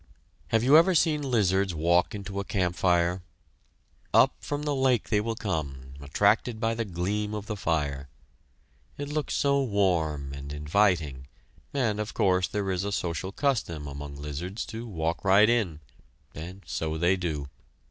Have you ever seen lizards walk into a campfire? Up from the lake they will come, attracted by the gleam of the fire. It looks so warm and inviting, and, of course, there is a social custom among lizards to walk right in, and so they do.